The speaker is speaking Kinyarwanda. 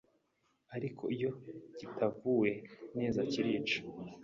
ariko iyo kitavuwe neza kirica.